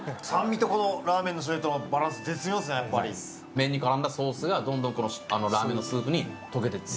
麺に絡んだソースがどんどんこのラーメンのスープに溶けてって。